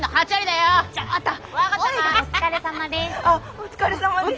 お疲れさまです。